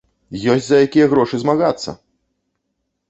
Ёсць за якія грошы змагацца!